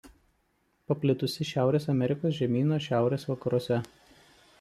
Paplitusi Šiaurės Amerikos žemyno šiaurės vakaruose.